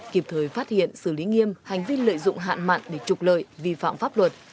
kịp thời phát hiện xử lý nghiêm hành vi lợi dụng hạn mặn để trục lợi vi phạm pháp luật